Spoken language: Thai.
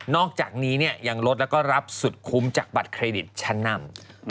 อกจากนี้ยังลดแล้วก็รับสุดคุ้มจากบัตรเครดิตชั้นนำ